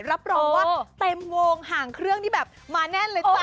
รับรองว่าเต็มวงห่างเครื่องนี่แบบมาแน่นเลยจ้ะ